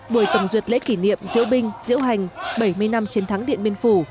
buổi tổng duyệt lễ kỷ niệm diễu binh diễu hành bảy mươi năm chiến thắng điện biên phủ